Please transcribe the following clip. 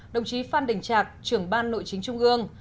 đồng chí phan đình trạc trưởng ban nội chính trung ương